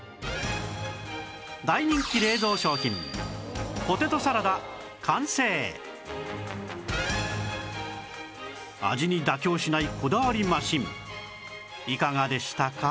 大人気冷蔵商品味に妥協しないこだわりマシンいかがでしたか？